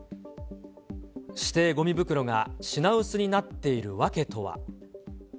指定ごみ袋が品薄になっている訳とは。